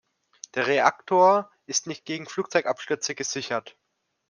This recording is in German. Der Reaktor ist nicht gegen Flugzeugabstürze gesichert.